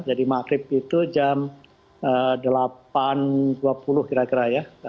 jadi maghrib itu jam delapan dua puluh kira kira ya